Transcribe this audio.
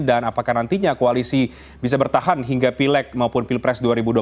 dan apakah nantinya koalisi bisa bertahan hingga pilek maupun pilpres dua ribu dua puluh empat